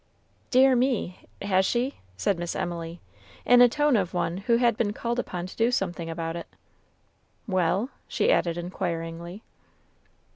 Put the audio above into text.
"Dear me! has she?" said Miss Emily, in a tone of one who had been called upon to do something about it. "Well?" she added, inquiringly.